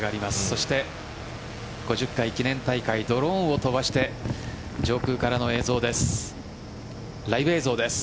そして、５０回記念大会ドローンを飛ばして上空からのライブ映像です。